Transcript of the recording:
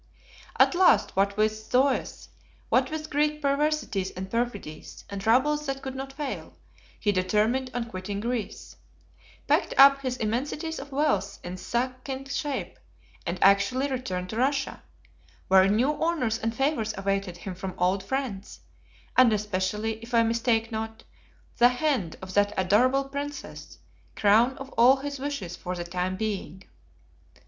At last, what with Zoes, what with Greek perversities and perfidies, and troubles that could not fail, he determined on quitting Greece; packed up his immensities of wealth in succinct shape, and actually returned to Russia, where new honors and favors awaited him from old friends, and especially, if I mistake not, the hand of that adorable Princess, crown of all his wishes for the time being.